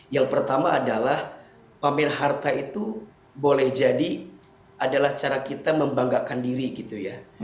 yang pertama adalah pamer harta itu boleh jadi adalah cara kita membanggakan diri gitu ya